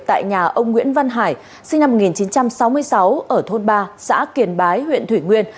tại nhà ông nguyễn văn hải sinh năm một nghìn chín trăm sáu mươi sáu ở thôn ba xã kiềm bái huyện thủy nguyên